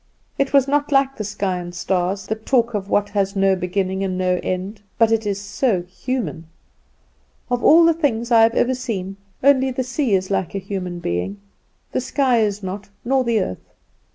It was not like the sky and stars, that talk of what has no beginning and no end; but it is so human. Of all the things I have ever seen, only the sea is like a human being; the sky is not, nor the earth.